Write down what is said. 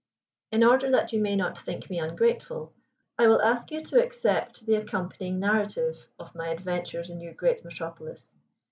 In order that you may not think me ungrateful, I will ask you to accept the accompanying narrative of my adventures in your great metropolis.